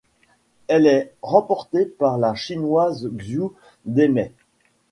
Elle est remportée par la Chinoise Xu Demei.